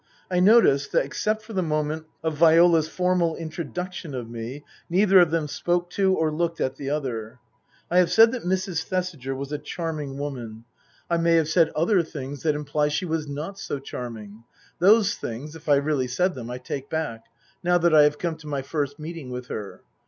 I noticed that, except for the moment of Viola's formal introduction of me, neither of them spoke to or looked at the other. I have said that Mrs. Thesiger was a charming woman. 90 Tasker Jevons I may have said other things that imply she was not so charming ; those things, if I really said them, I take back, now that I have come to my first meeting with her.